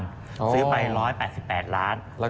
ซื้อไป๑๘๘ล้าน